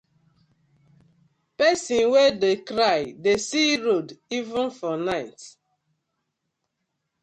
Pesin wey dey cry dey see road even for night.